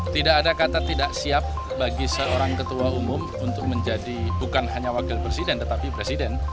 tidak ada kata tidak siap bagi seorang ketua umum untuk menjadi bukan hanya wakil presiden tetapi presiden